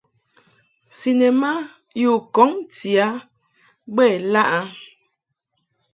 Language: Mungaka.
Cinema yi u kɔŋ ti a bə ilaʼ ?